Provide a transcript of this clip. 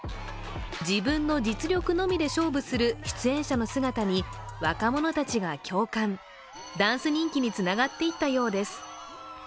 自分の実力のみで勝負する出演者の姿に若者たちが共感、ダンス人気につながっていったようです。